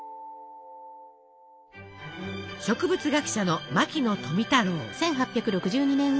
植物学者の牧野富太郎。